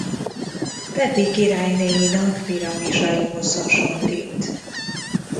Pepi királynéinak piramisaihoz hasonlít.